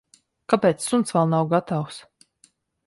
Kāpēc suns vēl nav gatavs?